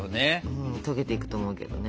うん溶けていくと思うけどね。